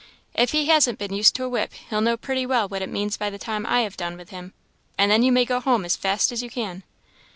If he hasn't been used to a whip he'll know pretty well what it means by the time I have done with him; and then you may go home as fast as you can."